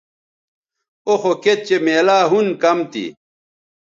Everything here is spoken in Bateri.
او خو کِت چہء میلاو ھُن کم تھی